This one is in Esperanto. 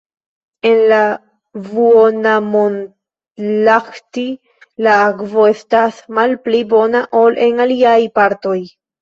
En la Vuonamonlahti la akvo estas malpli bona ol en aliaj partoj.